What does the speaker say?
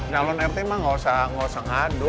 nyalon rt mah gak usah ngadu